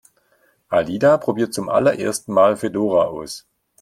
Alida probiert zum allerersten Mal Fedora aus.